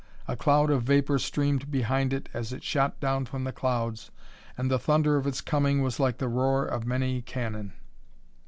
A cloud of vapor streamed behind it as it shot down from the clouds, and the thunder of its coming was like the roar of many cannon.